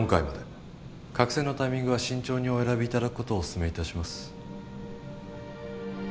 覚醒のタイミングは慎重にお選びいただくことをお勧めいたします